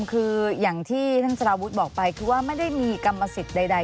คืออย่างที่ท่านสารวุฒิบอกไปคือว่าไม่ได้มีกรรมสิทธิ์ใด